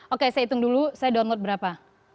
oke saya hitung dulu saya download berapa